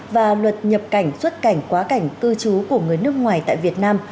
và luật nhập cảnh xuất cảnh quá cảnh cư trú của người nước ngoài tại việt nam